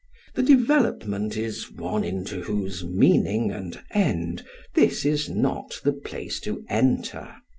The development is one into whose meaning and end this is not the place to enter.